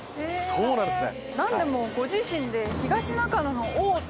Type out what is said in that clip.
そうなんですよ。